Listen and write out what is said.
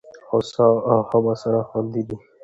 هوسا او هما سره خوندي دي.